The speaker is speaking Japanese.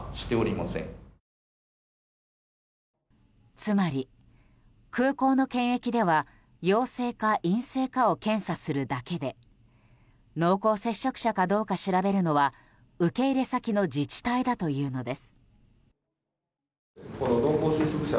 つまり、空港の検疫では陽性か陰性かを検査するだけで濃厚接触者かどうか調べるのは受け入れ先の自治体だというのです。